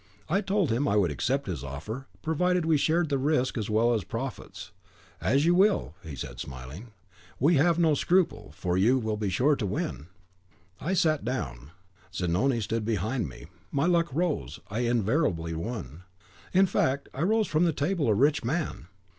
I told him I would accept his offer, provided we shared the risk as well as profits. 'As you will,' said he, smiling; 'we need have no scruple, for you will be sure to win.' I sat down; Zanoni stood behind me; my luck rose, I invariably won. In fact, I rose from the table a rich man."